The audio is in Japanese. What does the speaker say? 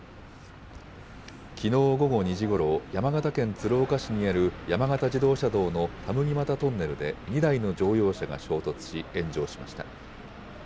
きのう午後２時ごろ、山形県鶴岡市にある山形自動車道の田麦俣トンネルで２台の乗用車が衝突し、炎上しました。